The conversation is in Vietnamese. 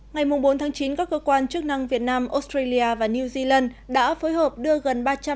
ngày bốn chín các cơ quan chức năng việt nam australia và new zealand đã phối hợp đưa gần